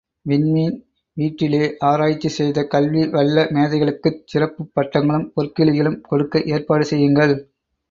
விண்மீண் வீட்டிலே ஆராய்ச்சி செய்த கல்வி வல்ல மேதைகளுக்குச் சிறப்புப் பட்டங்களும், பொற்கிழிகளும் கொடுக்க ஏற்பாடு செய்யுங்கள்.